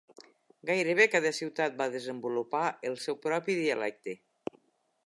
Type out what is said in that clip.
Gairebé cada ciutat va desenvolupar el seu propi dialecte.